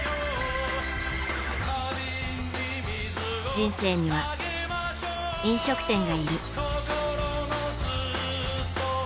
人生には、飲食店がいる。